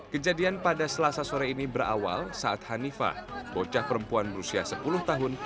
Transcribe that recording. kejadian pada selasa sore ini berawal saat hanifah bocah perempuan berusia sepuluh tahun